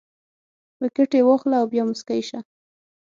ویکټې واخله او بیا موسکی شه